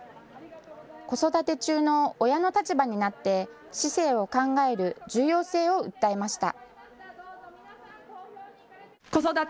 子育て中の親の立場になって市政を考える重要性を訴えました。